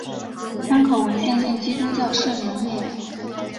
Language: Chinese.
参考文献见基督教圣人列表。